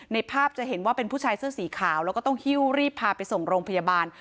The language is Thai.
ภาพจะเห็นว่าเป็นผู้ชายเสื้อสีขาวแล้วก็ต้องหิ้วรีบพาไปส่งโรงพยาบาล